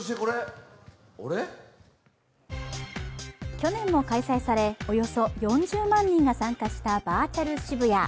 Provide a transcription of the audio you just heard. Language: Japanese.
去年も開催され、およそ４０万人が参加したバーチャル渋谷。